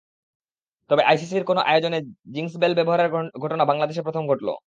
তবে আইসিসির কোনো আয়োজনে জিংস বেল ব্যবহারের ঘটনা বাংলাদেশে প্রথম ঘটল।